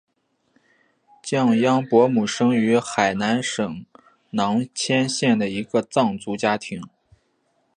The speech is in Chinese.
降央伯姆生于青海省囊谦县的一个藏族家庭。